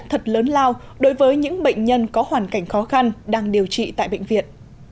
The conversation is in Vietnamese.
thật lớn lao đối với những bệnh nhân có hoàn cảnh khó khăn đang điều trị tại bệnh viện